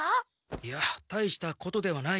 いや大したことではない。